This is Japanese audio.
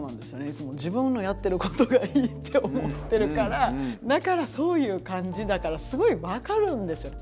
いつも自分のやってることがいいって思ってるからだからそういう感じだからすごい分かるんですよ。